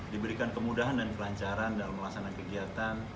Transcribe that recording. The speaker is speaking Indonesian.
diberikan kemudahan dan kelancaran dalam melaksanakan kegiatan